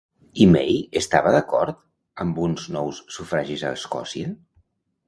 I May estava d'acord amb uns nous sufragis a Escòcia?